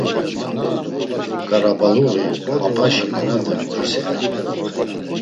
Ǩarabaluği, Mapaşi nenate moiselu.